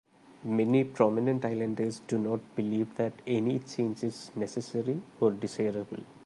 Many prominent islanders do not believe that any change is necessary or desirable.